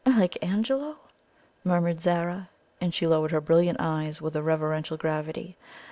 "Like Angelo?" murmured Zara; and she lowered her brilliant eyes with a reverential gravity.